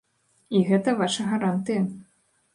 І гэта ваша гарантыя.